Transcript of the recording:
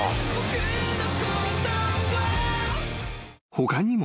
［他にも］